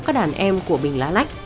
các đàn em của bình lã lách